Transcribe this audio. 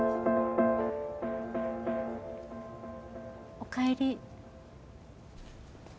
おかえり。